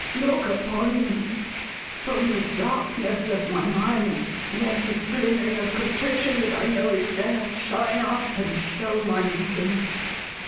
" Look upon me ! From the darkness of my mind, let the glimmering of contrition that I know is there, shine up, and show my misery!